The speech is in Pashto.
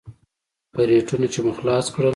کرېټونه چې مو خلاص کړل.